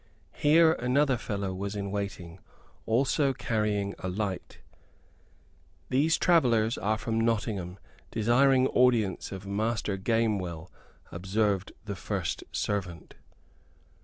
Here another fellow was in waiting, also carrying a light. "These are travellers from Nottingham, desiring audience of Master Gamewell," observed the first servant.